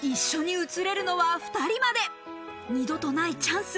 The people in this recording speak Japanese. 二度とないチャンス！